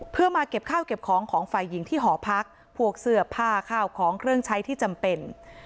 เพื่อมาเก็บข้าวเก็บของของฝ่ายหญิงที่หอพักพวกเสื้อผ้าข้าวของเครื่องใช้ที่จำเป็น